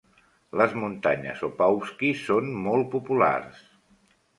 Les muntanyes Opawskie són molt populars.